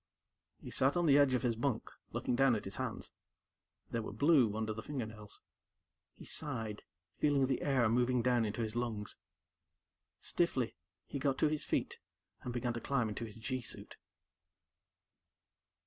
He sat on the edge of his bunk looking down at his hands. They were blue under the fingernails. He sighed, feeling the air moving down into his lungs. Stiffly, he got to his feet and began to climb into his G suit.